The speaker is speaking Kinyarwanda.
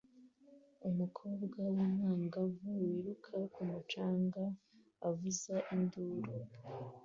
Umukobwa w'umwangavu wiruka ku mucanga avuza induru